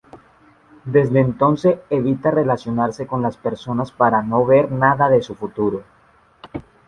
Desde entonces evita relacionarse con las personas para no "ver" nada de su futuro.